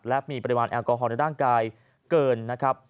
และมีปริมาณแอลกอฮอลในร่างกายเกินนะครับ